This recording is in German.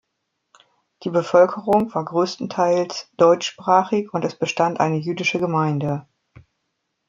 Die Bevölkerung war größtenteils deutschsprachig und es bestand eine jüdische Gemeinde.